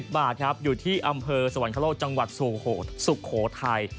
บาทครับอยู่ที่อำเภอสวรรคโลกจังหวัดสุโขทัย